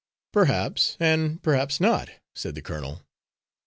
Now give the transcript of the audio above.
"Perhaps and perhaps not," said the colonel.